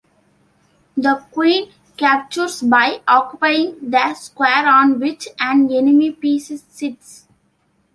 The queen captures by occupying the square on which an enemy piece sits.